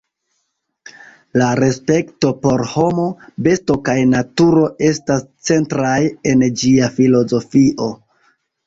La respekto por homo, besto kaj naturo estas centraj en ĝia filozofio.